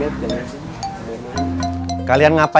kok udah kamar